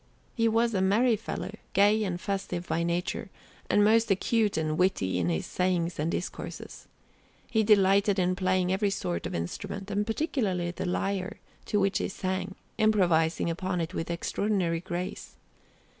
He was a merry fellow, gay and festive by nature, and most acute and witty in his sayings and discourses. He delighted in playing every sort of instrument, and particularly the lyre, to which he sang, improvising upon it with extraordinary grace.